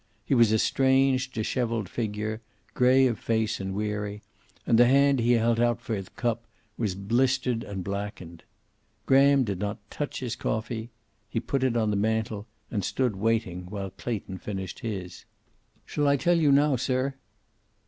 He was a strange, disheveled figure, gray of face and weary, and the hand he held out for the cup was blistered and blackened. Graham did not touch his coffee. He put it on the mantel, and stood waiting while Clayton finished his. "Shall I tell you now, sir?"